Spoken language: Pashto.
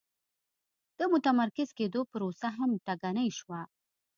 د متمرکز کېدو پروسه هم ټکنۍ شوه.